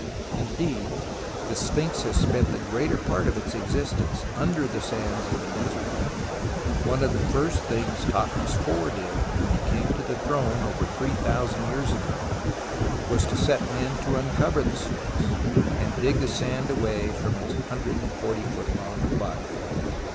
Indeed the Sphinx has spent the greater part of its existence under the sands of the desert. One of the first things Thothmes iv did when he came to the throne over three thousand years ago, was to set men to uncover the Sphinx, and dig the sand away from its 140 foot long body.